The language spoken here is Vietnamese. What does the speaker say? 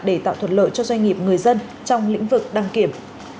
để tạo thuận lợi cho doanh nghiệp người dân trong lĩnh vực đăng kiểm